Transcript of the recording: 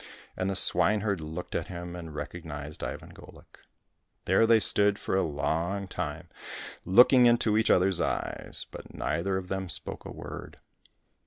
And the swineherd looked at him, and recognized Ivan Golik. There they stood for a long time looking into each other's eyes, but neither of them spoke a word.